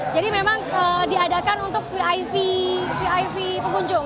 jadi memang diadakan untuk vip pengunjung